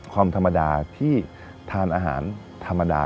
ธรรมดาที่ทานอาหารธรรมดา